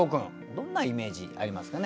どんなイメージありますかね？